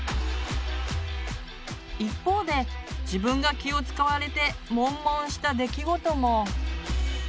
一方で自分が気を遣われてモンモンした出来事も。